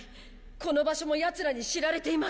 この場所もヤツらに知られています。